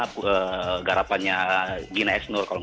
biasanya film indonesia itu bertahan berapa lama sih mas di bioskop